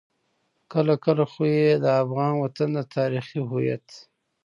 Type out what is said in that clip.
کله کله خو يې د افغان وطن د تاريخي هويت.